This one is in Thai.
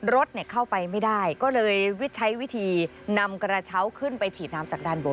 รถเข้าไปไม่ได้ก็เลยใช้วิธีนำกระเช้าขึ้นไปฉีดน้ำจากด้านบน